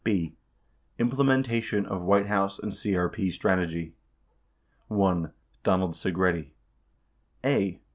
B. Implementation of White House and CEP Strategy 1. DONALD SEGRETTI a.